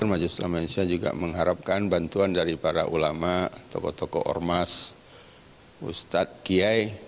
majelis ulama indonesia juga mengharapkan bantuan dari para ulama tokoh tokoh ormas ustadz kiai